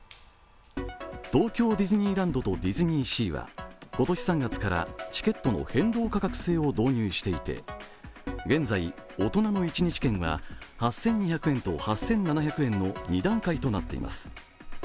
東京ディズニーランドとディスニーシーは今年３月からチケットの変動価格制を導入していて、現在大人の１日券は８２００円と８７００円の２段階となっています。